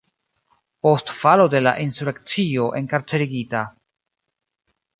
Post falo de la insurekcio enkarcerigita.